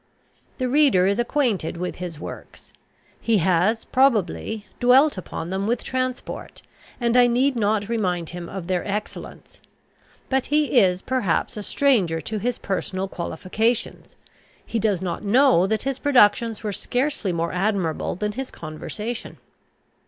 The reader is acquainted with his works: he has, probably, dwelt upon them with transport; and I need not remind him of their excellence: but he is, perhaps, a stranger to his personal qualifications; he does not know that his productions were scarcely more admirable than his conversation.